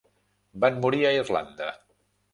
Van morir a Irlanda.